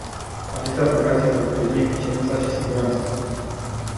Aceste aplicații vor sprijini eficiența și siguranța.